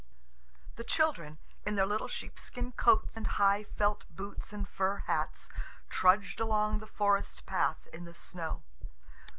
The children, in their little sheepskin coats and high felt boots and fur hats, trudged along the forest path in the snow.